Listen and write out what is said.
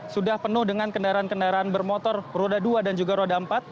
sudah penuh dengan kendaraan kendaraan bermotor roda dua dan juga roda empat